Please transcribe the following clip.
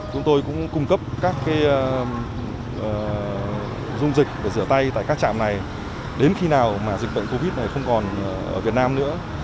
chúng tôi cũng cung cấp các dung dịch để rửa tay tại các trạm này đến khi nào mà dịch bệnh covid này không còn ở việt nam nữa